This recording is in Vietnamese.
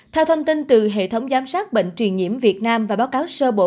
theo thông tin từ hệ thống giám sát bệnh truyền nhiễm việt nam và báo cáo sơ bộ